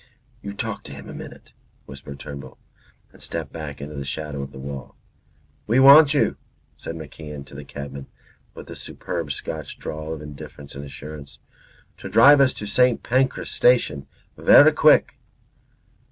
"You talk to him a minute," whispered Turnbull, and stepped back into the shadow of the wall. "We want you," said MacIan to the cabman, with a superb Scotch drawl of indifference and assurance, "to drive us to St. Pancras Station verra quick."